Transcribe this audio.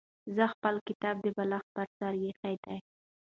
زه خپل کتاب د بالښت پر سر ایښی دی.